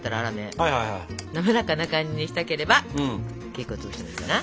滑らかな感じにしたければ結構潰してもいいかな。